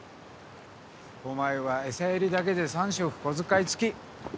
お前は餌やりだけで三食小遣い付き。